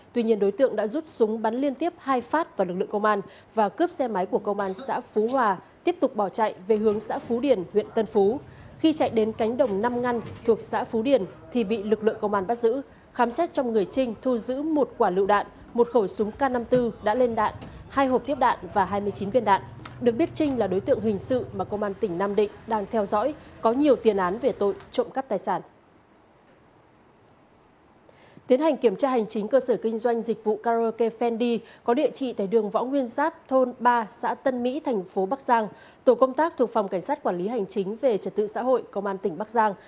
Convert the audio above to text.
tổ công tác thuộc phòng cảnh sát quản lý hành chính về trật tự xã hội công an tỉnh bắc giang